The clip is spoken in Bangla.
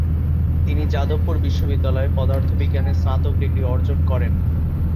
তিনি যাদবপুর বিশ্ববিদ্যালয়ে পদার্থবিজ্ঞানে স্নাতক ডিগ্রী অর্জন করেন।